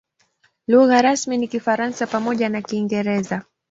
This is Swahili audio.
Lugha rasmi ni Kifaransa pamoja na Kiingereza.